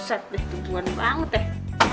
upset deh tumpuan banget deh